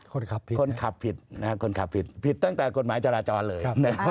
คนขับผิดคนขับผิดนะครับคนขับผิดผิดตั้งแต่กฎหมายจราจรเลย